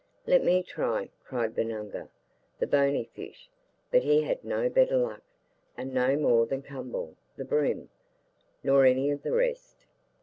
'Let me try,' cried Biernuga, the bony fish, but he had no better luck, and no more had Kumbal, the bream, nor any of the rest.